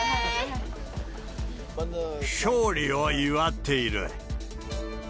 勝利を祝っている。